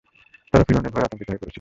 তারা ফিরআউনের ভয়ে আতংকিত হয়ে পড়ছিল।